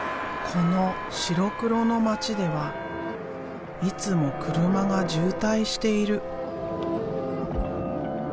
この白黒の街ではいつも車が渋滞している。